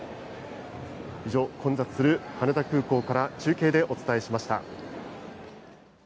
以上、混雑する羽田空港から中継でお伝えしました。